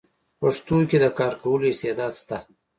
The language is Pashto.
پښتو کې د کار کولو استعداد شته: